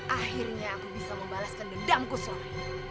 akhirnya aku bisa membalaskan dendamku soe